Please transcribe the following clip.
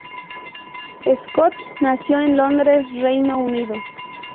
Scott nació en Londres, Reino Unido.